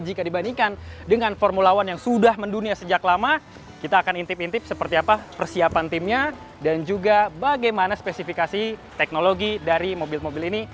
jika dibandingkan dengan formula one yang sudah mendunia sejak lama kita akan intip intip seperti apa persiapan timnya dan juga bagaimana spesifikasi teknologi dari mobil mobil ini